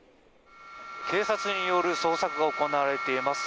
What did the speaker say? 警察による捜索が行われています。